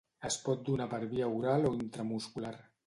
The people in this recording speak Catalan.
Es pot donar per via oral o intramuscular.